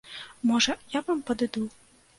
Можа, я вам падыду?